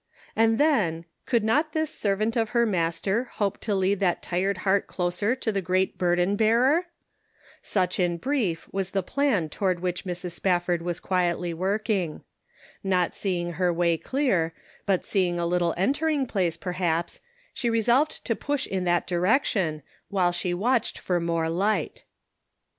And then could not this ser vant of her Master hope to lead that tired heart closer to the great burden Bearer? Such in brief was the plan toward which Mrs. Spaf ford was quietly working. Not seeing her way clear, but seeing a little entering place, perhaps, she resolved to push in that direction, while she watched for more light.